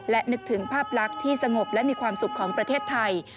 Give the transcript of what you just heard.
และนึกถึงภาพลักษณ์ที่สงบและมีความสุขของประเทศไทย